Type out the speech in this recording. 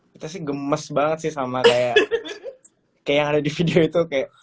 kita sih gemes banget sih sama kayak yang ada di video itu kayak